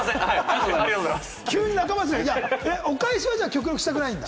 お返しは極力したくないんだ？